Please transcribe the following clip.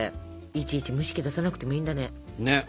いちいち蒸し器出さなくてもいいんだね。ね！